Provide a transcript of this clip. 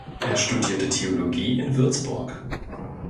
Er studierte Theologie in Würzburg.